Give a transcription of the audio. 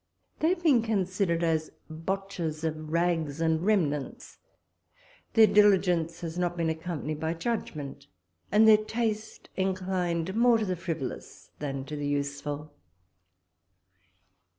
They have been considered as botchers of rags and remnants; their diligence has not been accompanied by judgment; and their taste inclined more to the frivolous than to the useful.